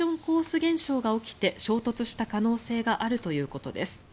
現象が起きて衝突した可能性があるということです。